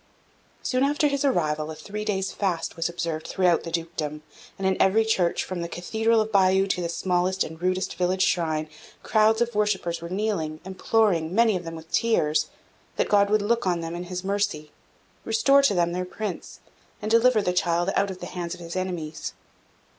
Soon after his arrival, a three days' fast was observed throughout the dukedom, and in every church, from the Cathedral of Bayeux to the smallest and rudest village shrine, crowds of worshippers were kneeling, imploring, many of them with tears, that God would look on them in His mercy, restore to them their Prince, and deliver the child out of the hands of his enemies.